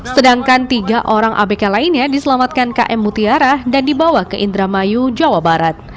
sedangkan tiga orang abk lainnya diselamatkan km mutiara dan dibawa ke indramayu jawa barat